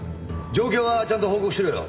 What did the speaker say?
状況はちゃんと報告しろよ。